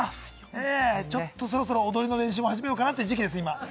ちょっとそろそろ踊りの練習も始めようかなという時期です。